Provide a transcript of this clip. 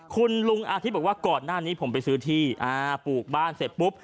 คุณลุงอาทิตย์บอกว่าก่อนหน้านี้ผมไปซื้อที่ปลูกบ้านเสร็จปุ๊บ